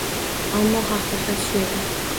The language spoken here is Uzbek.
Ammo haqiqat shu edi.